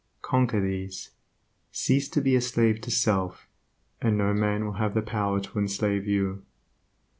Conquer these; cease to be a slave to self, and no man will have the power to enslave you.